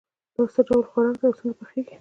دا څه ډول خوراک ده او څنګه پخیږي